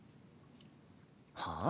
はあ？